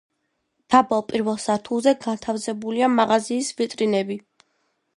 დაბალ პირველ სართულზე განთავსებულია მაღაზიის ვიტრინები.